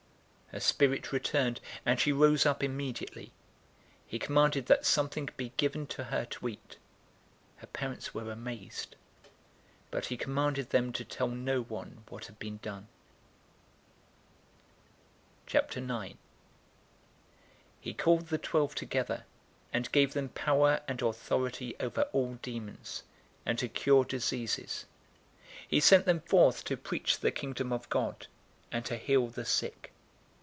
008:055 Her spirit returned, and she rose up immediately. He commanded that something be given to her to eat. 008:056 Her parents were amazed, but he charged them to tell no one what had been done. 009:001 He called the twelve{TR reads "his twelve disciples" instead of "the twelve"} together, and gave them power and authority over all demons, and to cure diseases. 009:002 He sent them forth to preach the Kingdom of God, and to heal the sick.